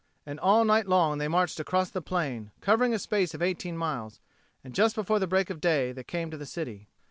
And all night long they marched across the plain, covering a space of eighteen miles; and just before the break of day they came to the city.